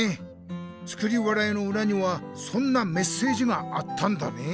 「作り笑い」のうらにはそんなメッセージがあったんだね。